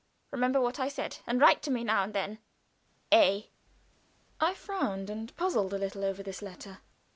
Remember what I said, and write to me now and then. "A." I frowned and puzzled a little over this letter.